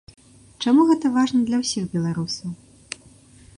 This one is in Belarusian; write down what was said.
Чаму гэта важна для ўсіх беларусаў?